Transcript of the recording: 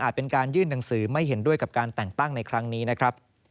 หรือไม่เห็นด้วยกับการแต่งตั้งในครั้งนี้นะครับ